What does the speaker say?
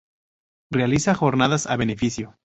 Realiza jornadas a beneficio.